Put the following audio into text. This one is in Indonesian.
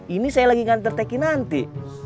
ini saya lagi gantar teki nanti